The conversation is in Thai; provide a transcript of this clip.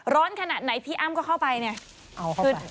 ขนาดไหนพี่อ้ำก็เข้าไปเนี่ย